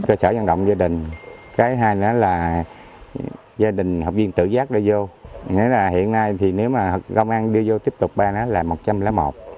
cơ sở dân động gia đình cái hai nữa là gia đình học viên tự giác đưa vô nghĩa là hiện nay thì nếu mà công an đưa vô tiếp tục ban nó là một trăm linh một